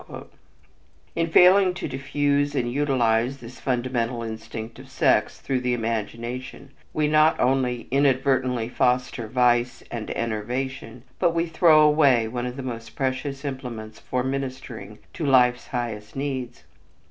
In failing to diffuse and utilize this fundamental instinct of sex through the imagination, we not only inadvertently foster vice and enervation, but we throw away one of the most precious implements for ministering to life's highest needs.